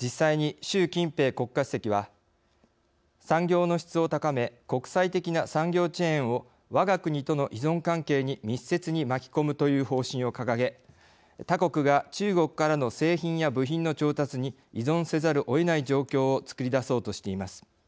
実際に習近平国家主席は産業の質を高め国際的な産業チェーンをわが国との依存関係に密接に巻き込むという方針を掲げ他国が中国からの製品や部品の調達に依存せざるをえない状況を作り出そうとしています。